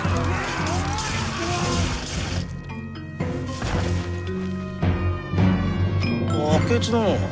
あ明智殿。